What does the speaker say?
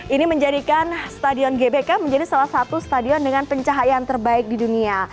ini menjadikan stadion gbk menjadi salah satu stadion dengan pencahayaan terbaik di dunia